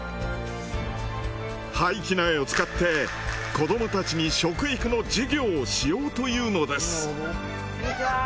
廃棄苗を使って子どもたちに食育の授業をしようというのです。